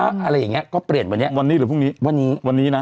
อะไรอย่างเงี้ก็เปลี่ยนวันนี้วันนี้หรือพรุ่งนี้วันนี้วันนี้นะ